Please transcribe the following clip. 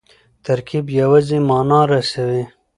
ترکیب یوازي مانا رسوي.